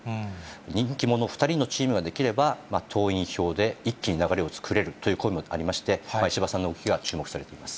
人気者２人のチームが出来れば、党員票で一気に流れを作れるという声もありまして、石破さんの動きが注目されています。